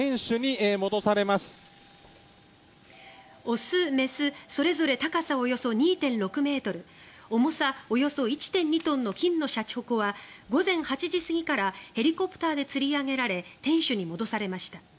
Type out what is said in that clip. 雄、雌それぞれ高さおよそ２．６ｍ重さおよそ１．２トンの金のしゃちほこは午前８時過ぎからヘリコプターでつり上げられ天守に戻されました。